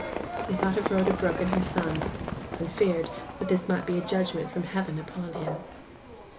He thought of Rhoda Brook and her son; and feared this might be a judgment from heaven upon him.